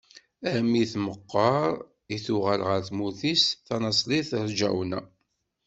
Armi tmeqqer i d-tuɣal ɣer tmurt-is tanaṣlit Rǧawna.